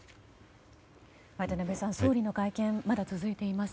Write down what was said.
渡辺さん、総理の会見まだ続いています。